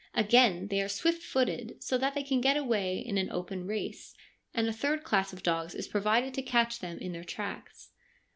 Again, they are swift footed, so that they can get away in an open race, and a third class of dogs is provided to catch them in their tracks.